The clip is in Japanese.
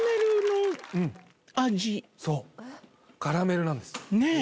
そうカラメルなんですねえ